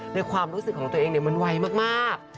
ในความรู้สึกของตัวเองมันไวมาก